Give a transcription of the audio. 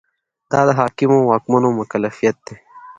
دا د حاکمو واکمنو مکلفیت دی.